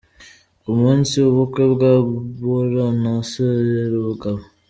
Ku munsi w'ubukwe bwa Bora na Serugaba.